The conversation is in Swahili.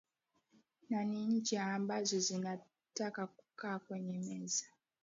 na ni nchi ambazo zinataka kukaa kwenye meza